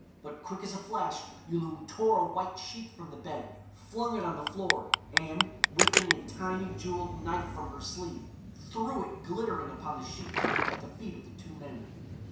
But quick as a flash Yulun tore a white sheet from the bed, flung it on the floor, and, whipping a tiny, jewelled knife from her sleeve, threw it glittering upon the sheet at the feet of the two men.